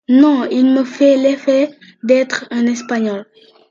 Non, il me fait l’effet d’être un Espagnol.